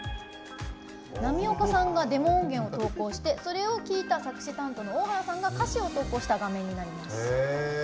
浪岡さんがデモ音源を投稿してそれを聴いた作詞担当の大原さんが歌詞を投稿した画面になります。